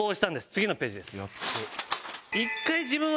次のページです。